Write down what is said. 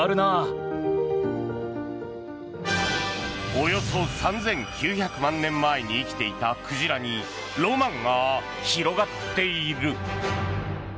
およそ３９００万年前に生きていた鯨にロマンが広がっている。